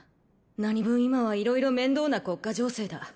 何分今は色々面倒な国家情勢だ